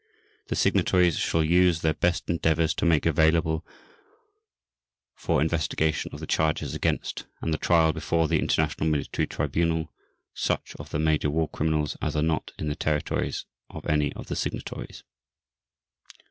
The Signatories shall also use their best endeavors to make available for investigation of the charges against and the trial before the International Military Tribunal such of the major war criminals as are not in the territories of any of the Signatories.